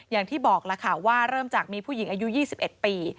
อย่างที่บอกล่ะค่ะว่าเริ่มจากมีผู้หญิงอายุ๒๑ปี